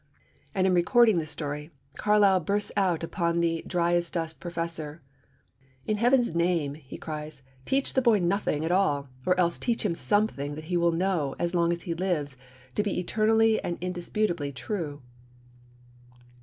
And in recording the story Carlyle bursts out upon the dry as dust professor. 'In heaven's name,' he cries, 'teach the boy nothing at all, or else teach him something that he will know, as long as he lives, to be eternally and indisputably true!'